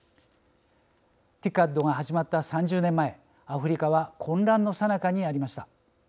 ＴＩＣＡＤが始まった３０年前アフリカは混乱のさなかにありました。